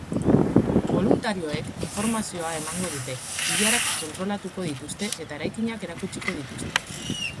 Boluntarioek informazioa emango dute, ilarak kontrolatuko dituzte eta eraikinak erakutsiko dituzte.